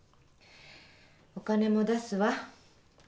お金も出すわ。